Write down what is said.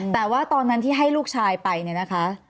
แต่ว่าตอนนั้นที่ให้ลูกชายไปเนี่ยนะคะ